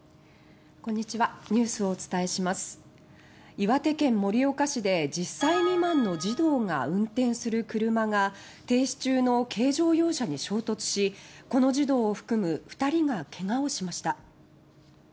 岩手県盛岡市で１０歳未満の児童が運転する車が停止中の軽乗用車に衝突しこの児童を含む２人がけがをしました。